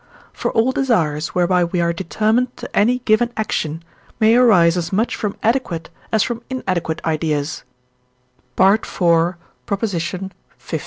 For all desires, whereby we are determined to any given action, may arise as much from adequate as from inadequate ideas (IV. lix.).